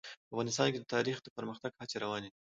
افغانستان کې د تاریخ د پرمختګ هڅې روانې دي.